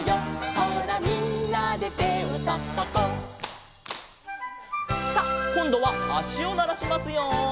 「ほらみんなで手をたたこう」「」さあこんどはあしをならしますよ。